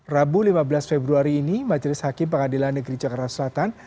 rabu lima belas februari ini majelis hakim pengadilan negeri jakarta selatan